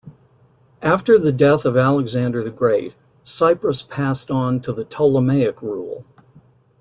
After the death of Alexander the Great, Cyprus passed on to the Ptolemaic rule.